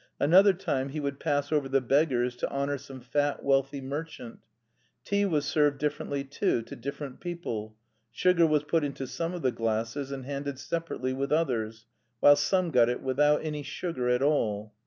Another time he would pass over the beggars to honour some fat wealthy merchant. Tea was served differently, too, to different people, sugar was put into some of the glasses and handed separately with others, while some got it without any sugar at all.